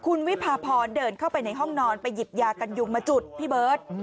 คุณวิพาพรเดินเข้าไปในห้องนอนไปหยิบยากันยุงมาจุดพี่เบิร์ต